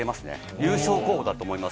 優勝候補だと思います。